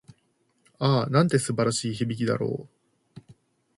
ああ、なんて素晴らしい響きなんだろう。